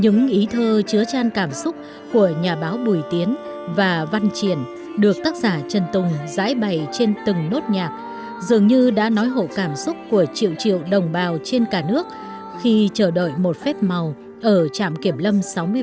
những ý thơ chứa tràn cảm xúc của nhà báo bùi tiến và văn triển được tác giả trần tùng giải bày trên từng nốt nhạc dường như đã nói hộ cảm xúc của triệu triệu đồng bào trên cả nước khi chờ đợi một phép màu ở trạm kiểm lâm sáu mươi bảy